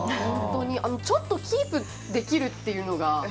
ちょっとキープできるっていうのが。